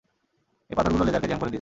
এই পাথরগুলো লেজারকে জ্যাম করে দিয়েছে।